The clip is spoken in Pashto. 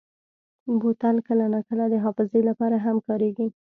بوتل کله ناکله د حافظې لپاره هم کارېږي.